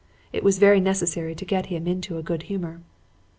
It was very necessary to get him into a good humor.